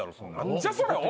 何じゃそりゃおい！